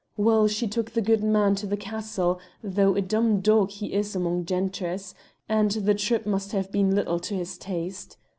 Well, she took the goodman to the castle, though a dumb dog he is among gentrice, and the trip must have been little to his taste.